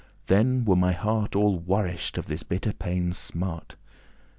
then were my heart All warish'd* of this bitter paine's smart."